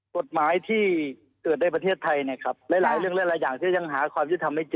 กฎหมายที่เกิดในประเทศไทยเนี่ยครับหลายเรื่องหลายอย่างที่ยังหาความยุติธรรมไม่เจอ